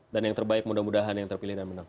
yang terbaik mudah mudahan yang terpilih dan menang